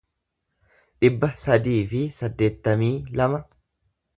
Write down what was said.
dhibba sadii fi saddeettamii lama